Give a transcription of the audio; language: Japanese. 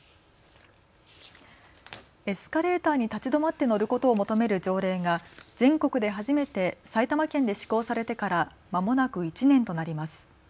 エスカレーターに立ち止まって乗ることを求める条例が全国で初めて埼玉県で施行されてからまもなく１年となります。